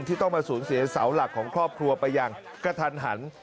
ที่ต้องมาสูญเสียเสาหลักของครอบครัวไปอย่างกระทันหัน